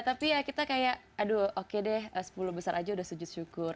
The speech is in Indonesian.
tapi ya kita kayak aduh oke deh sepuluh besar aja udah sujud syukur